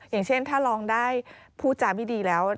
อย่างเช่นถ้าร้องได้พูดจาไม่ดีแล้ว